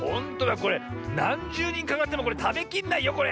これなんじゅうにんかかってもこれたべきれないよこれ。